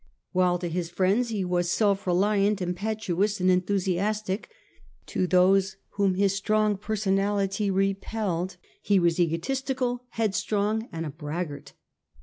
While to his friends he was self reliant, impetuous, and enthusiastic, to those whom his strong personality re pelled he was egotistical, headstrong, and a braggart.